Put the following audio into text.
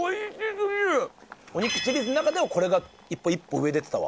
お肉シリーズの中ではこれが一歩上出てたわ。